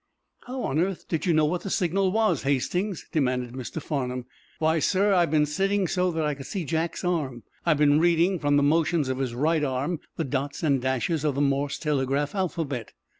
"How on earth did you know what the signal was, Hastings?" demanded Mr. Farnum. "Why, sir, I've been sitting so that I could see Jack's arm. I've been reading, from the motions of his right arm, the dots and dashes of the Morse telegraph alphabet."